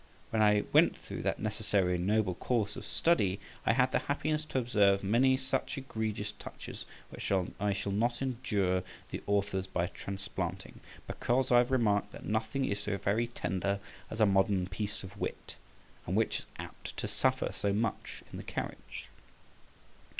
When I went through that necessary and noble course of study, {51b} I had the happiness to observe many such egregious touches, which I shall not injure the authors by transplanting, because I have remarked that nothing is so very tender as a modern piece of wit, and which is apt to suffer so much in the carriage.